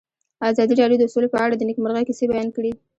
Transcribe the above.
ازادي راډیو د سوله په اړه د نېکمرغۍ کیسې بیان کړې.